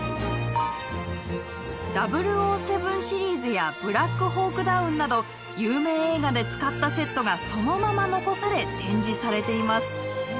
「００７」シリーズや「ブラックホーク・ダウン」など有名映画で使ったセットがそのまま残され展示されています。